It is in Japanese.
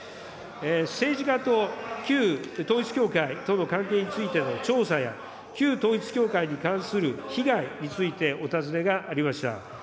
政治家と旧統一教会との関係についての調査や、旧統一教会に関する被害についてお尋ねがありました。